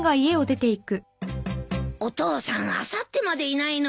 お父さんあさってまでいないのか。